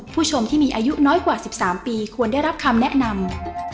ผู้ชมที่มีอายุน้อยกว่า๑๓ปีควรได้รับคำแนะนำ